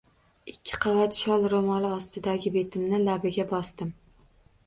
Ikki qavat shol roʼmol ostidagi betimni labiga bosdim!